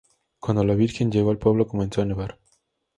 Cuando la Virgen llegó al pueblo comenzó a nevar.